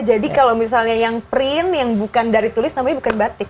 jadi kalau misalnya yang print yang bukan dari tulis namanya bukan batik